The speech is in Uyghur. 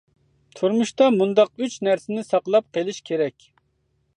-تۇرمۇشتا مۇنداق ئۈچ نەرسىنى ساقلاپ قېلىش كېرەك.